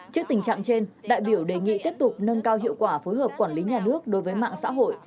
trước tình trạng trên đại biểu đề nghị tiếp tục nâng cao hiệu quả phối hợp quản lý nhà nước đối với mạng xã hội